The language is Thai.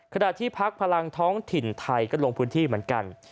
ขณะที่พักพลังท้องถิ่นไทยก็ลงพื้นที่เหมือนกัน